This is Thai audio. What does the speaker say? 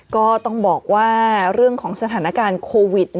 ก็ต้องบอกว่าเรื่องของสถานการณ์โควิด